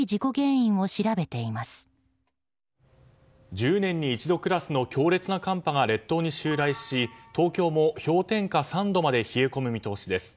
１０年に一度クラスの強烈な寒波が列島に襲来し東京も氷点下３度まで冷え込む見通しです。